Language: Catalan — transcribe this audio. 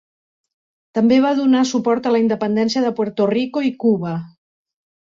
També va donar suport a la independència de Puerto Rico i Cuba.